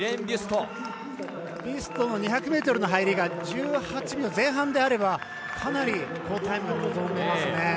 ビュストも２００ｍの入りが１８秒前半であればかなり好タイムが望めますね。